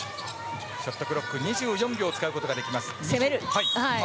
ショットブロック２４秒使うことができます。